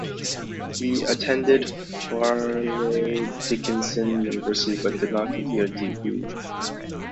He attended Fairleigh Dickinson University, but did not complete a degree.